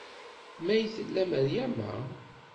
May tella Meryama?